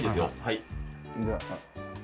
はい。